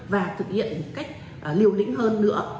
và thực hiện một cách liều lĩnh hơn nữa